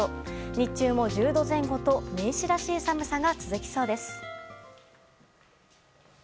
日中も１０度前後と年始らしい寒さが続きそうです。